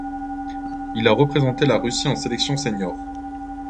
Il a représenté la Russie en sélections senior.